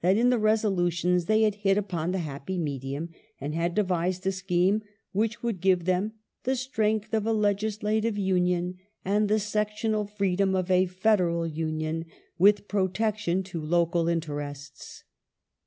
1868] CANADIAN FEDERALISM 359 in the resolutions they had " hit upon the happy medium," and had devised a scheme which would give them " the strength of a Legislative Union, and the sectional freedom of a Federal Union, with protection to local interests